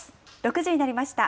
６時になりました。